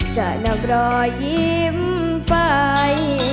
จะนำรอยยิ้มไป